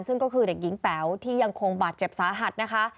ซึ่งก็คือเด็กหญิงแป๋วที่ยังคงบาดเจ็บสาหัสนะคะ